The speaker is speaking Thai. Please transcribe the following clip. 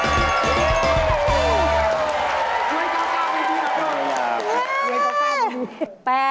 เย่